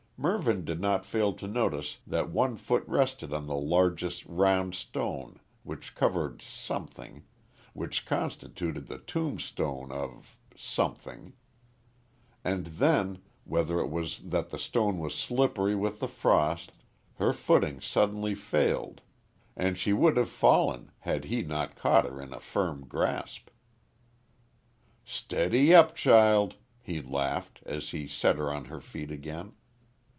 Mervyn did not fail to notice that one foot rested on the largish round stone which covered something which constituted the tombstone of something. And then, whether it was that the stone was slippery with the frost, her footing suddenly failed, and she would have fallen, had he not caught her in a firm grasp. "Steady up, child," he laughed, as he set her on her feet again.